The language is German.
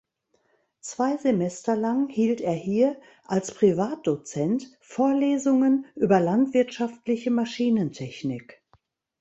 Zwei Semester lang hielt er hier als Privatdozent Vorlesungen über landwirtschaftliche Maschinentechnik.